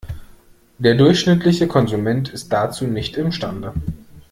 Der durchschnittliche Konsument ist dazu nicht imstande.